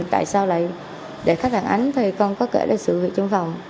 tại sao lại để khách phản ánh thì con có kể lại sự việc trong phòng